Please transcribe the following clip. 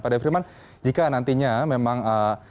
pak de vriemann jika nantinya memang